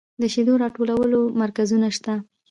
د شیدو راټولولو مرکزونه شته